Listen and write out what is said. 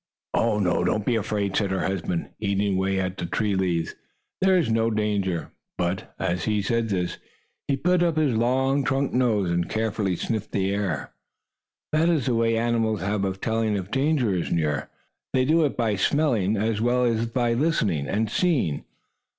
"Oh, no, don't be afraid," said her husband, eating away at his tree leaves. "There is no danger." But, as he said this, he put up his long trunk nose, and carefully sniffed the air. That is the way animals have of telling if danger is near. They do it by smelling as well as by listening and seeing.